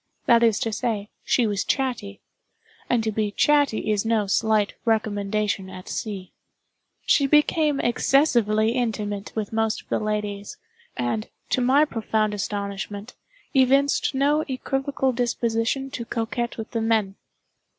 That is to say, she was chatty; and to be chatty is no slight recommendation at sea. She became excessively intimate with most of the ladies; and, to my profound astonishment, evinced no equivocal disposition to coquet with the men.